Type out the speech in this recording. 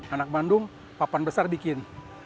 anak bandung papan besar bikin